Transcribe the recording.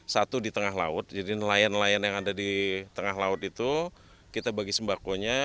satu di tengah laut jadi nelayan nelayan yang ada di tengah laut itu kita bagi sembakonya